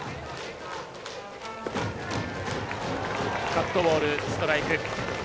カットボール、ストライク。